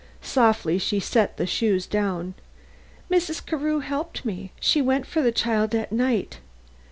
Softly she set the shoes down. "Mrs. Carew helped me; she went for the child at night.